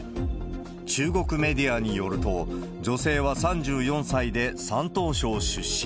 中国メディアによると、女性は３４歳で山東省出身。